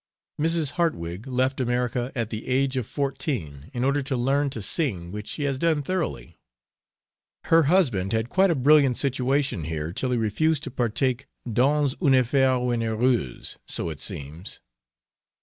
Mrs. Hartwig left America at the age of fourteen in order to learn to sing which she has done thoroughly. Her husband had quite a brilliant situation here till he refused to partake 'dans une afaire onereuse', so it seems.